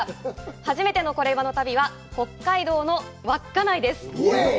初めての「コレうまの旅」は、北海道の稚内です。